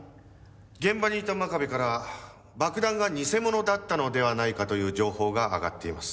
現場にいた真壁から爆弾が偽物だったのではないかという情報が上がっています。